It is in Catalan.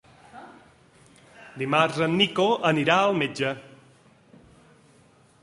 Dimarts en Nico anirà al metge.